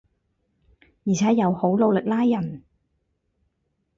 而且又好努力拉人